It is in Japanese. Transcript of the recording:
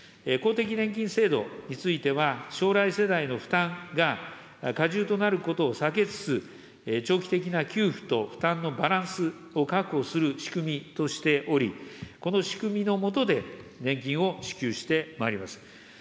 公的年金制度については、将来世代の負担が過重となることを避けつつ、長期的な給付と負担のバランスを確保する仕組みとしており、この仕組みのもとで年金を支給してまいります。